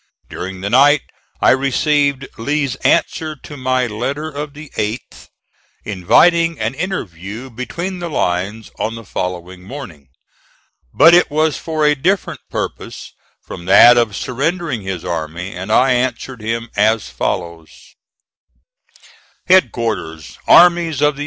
During the night I received Lee's answer to my letter of the 8th, inviting an interview between the lines on the following morning. (*43) But it was for a different purpose from that of surrendering his army, and I answered him as follows: HEADQUARTERS ARMIES OF THE U.